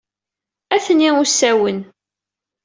Atni usawen.